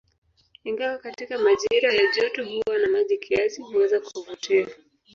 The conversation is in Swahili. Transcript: Ingawa katika majira ya joto huwa na maji kiasi, huweza kuvutia.